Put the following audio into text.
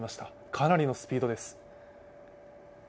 かなりのスピードです。